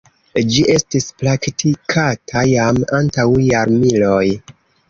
Ĝi estis praktikata jam antaŭ jarmiloj.